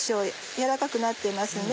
やわらかくなってますね。